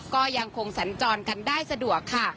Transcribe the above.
ก็ยังคงสัญจรกันได้สะดวกค่ะ